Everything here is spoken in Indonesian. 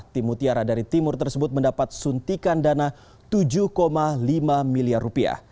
tim mutiara dari timur tersebut mendapat suntikan dana tujuh lima miliar rupiah